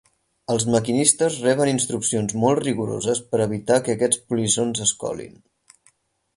Els maquinistes reben instruccions molt rigoroses per evitar que aquests polissons es colin.